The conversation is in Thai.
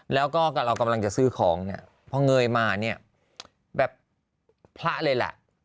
แล้วก็เรากำลังจะซื้อของเนี่ยพอเงยมาเนี่ยแบบพระเลยแหละ